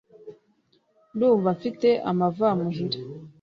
Ndumva mfite amavamuhira